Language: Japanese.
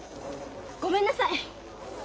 ごめんなさい。